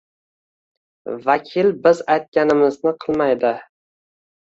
Vakil biz aytganimizni qilmaydi